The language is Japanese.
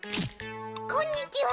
こんにちは。